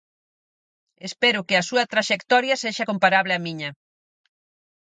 Espero que a súa traxectoria sexa comparable á miña.